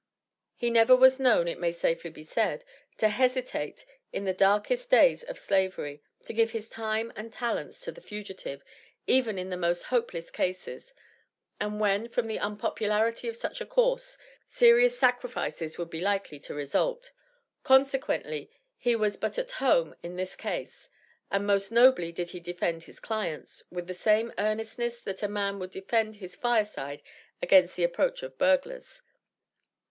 He never was known, it may safely be said, to hesitate in the darkest days of Slavery to give his time and talents to the fugitive, even in the most hopeless cases, and when, from the unpopularity of such a course, serious sacrifices would be likely to result. Consequently he was but at home in this case, and most nobly did he defend his clients, with the same earnestness that a man would defend his fireside against the approach of burglars.